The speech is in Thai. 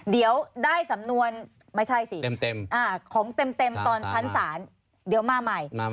เดี๋ยวได้สำนวนไม่ใช่สิเต็มของเต็มตอนชั้นศาลเดี๋ยวมาใหม่